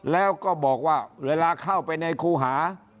แล้วก็บอกว่าเวลาเข้าไปในครูหา